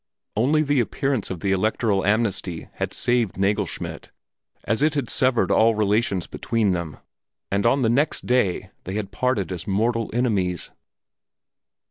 Only the appearance of the electoral amnesty had saved Nagelschmidt, as it had severed all relations between them, and on the next day they had parted as mortal enemies.